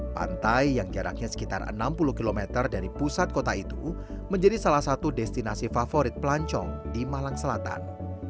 pantai yang jaraknya sekitar enam puluh km dari pusat kota itu menjadi salah satu destinasi favorit pelancong di malang selatan